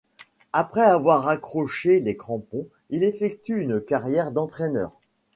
Après avoir raccroché les crampons, il effectue une carrière d'entraîneur.